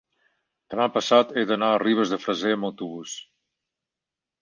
demà passat he d'anar a Ribes de Freser amb autobús.